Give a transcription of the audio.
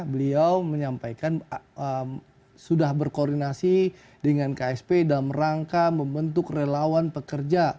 beliau menyampaikan sudah berkoordinasi dengan ksp dalam rangka membentuk relawan pekerja